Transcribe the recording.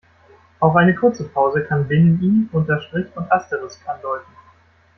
Auch eine kurze Pause kann Binnen-I, Unterstrich und Asterisk andeuten.